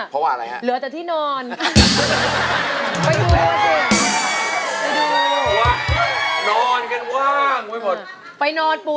เพราะว่าอะไรฮะ